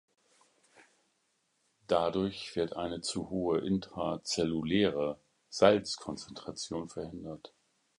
Dadurch wird eine zu hohe intrazelluläre Salzkonzentration verhindert.